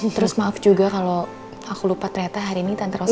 terus maaf juga kalau aku lupa ternyata hari ini tantrol